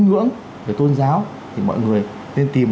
ngưỡng về tôn giáo thì mọi người nên tìm